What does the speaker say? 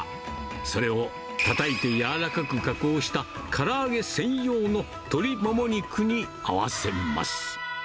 それをたたいてやわらかく加工したから揚げ専用の鶏もも肉に合わせます。